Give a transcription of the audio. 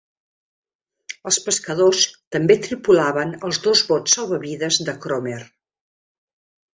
Els pescadors també tripulaven els dos bots salvavides de Cromer.